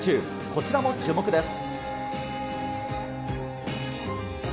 こちらも注目です。